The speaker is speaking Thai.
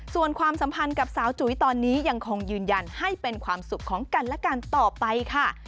ส่วนความสัมพันธ์กับสาวจุ๋ยตอนนี้ยังคงยืนยันให้เป็นความสุขของกันและกันต่อไปค่ะ